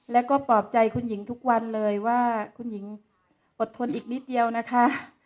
แล้วก็ปลอบใจคุณหญิงทุกวันเลยว่าคุณหญิงอดทนอีกนิดเดียวนะคะ